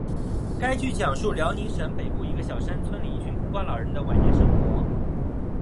该剧讲述辽宁省北部一个小山村里一群孤寡老人的晚年生活。